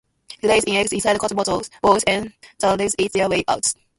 It lays its eggs inside cotton bolls, and the larvae eat their way out.